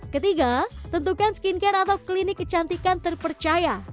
ketiga tentukan skincare atau klinik kecantikan terpercaya